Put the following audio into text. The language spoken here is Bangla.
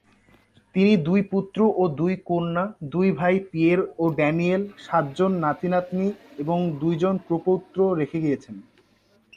তিনি দুই পুত্র ও দুই কন্যা; দুই ভাই, পিয়ের ও ড্যানিয়েল; সাতজন নাতি-নাতনি; এবং দুই প্রপৌত্র রেখে গেছেন।